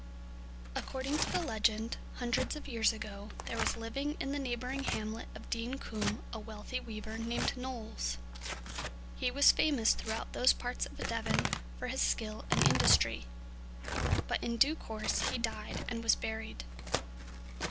According to the legend, hundreds of years ago, there was living in the neighbouring hamlet of Dean Combe a wealthy weaver named Knowles. He was famous throughout those parts of Devon for his skill and industry. But in due course he died and was buried.